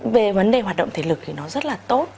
về vấn đề hoạt động thể lực thì nó rất là tốt